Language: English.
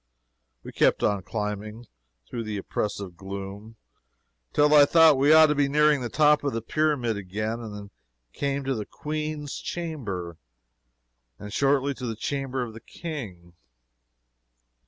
We kept on climbing, through the oppressive gloom, till I thought we ought to be nearing the top of the pyramid again, and then came to the "Queen's Chamber," and shortly to the Chamber of the King.